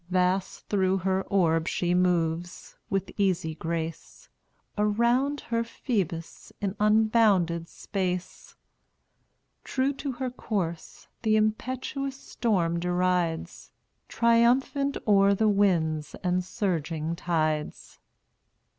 Vast through her orb she moves, with easy grace, Around her Phoebus in unbounded space; True to her course, the impetuous storm derides, Triumphant o'er the winds and surging tides.